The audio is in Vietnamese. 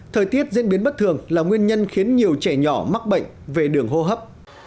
thời tiết diễn biến bất thường là nguyên nhân khiến nhiều trẻ nhỏ mắc bệnh về đường hô hấp